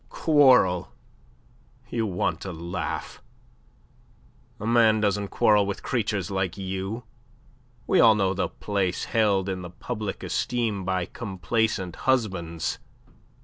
"Quarrel? You want to laugh. A man doesn't quarrel with creatures like you. We all know the place held in the public esteem by complacent husbands.